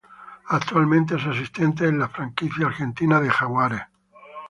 Actualmente es asistente en la franquicia argentina de Jaguares.